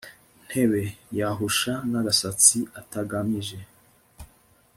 ntabe yahusha n'agasatsi atagahamije